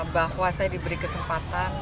bahwa saya diberi kesempatan